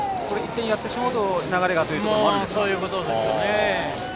１点やってしまうと流れがというのがあるんですね。